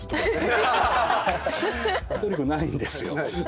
トリックないんですよ。